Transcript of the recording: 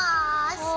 はい。